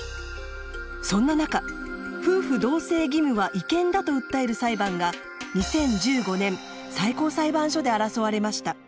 そんな中夫婦同姓義務は違憲だと訴える裁判が２０１５年最高裁判所で争われました。